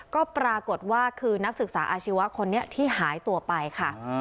ก็ปรากฏว่าคือนักศึกษาอาชีวะคนนี้ที่หายตัวไปค่ะ